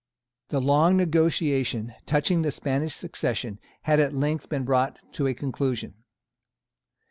The long negotiation touching the Spanish succession had at length been brought to a conclusion.